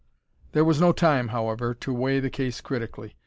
There was no time, however, to weigh the case critically.